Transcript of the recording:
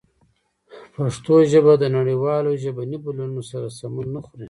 پښتو ژبه د نړیوالو ژبني بدلونونو سره سمون نه خوري.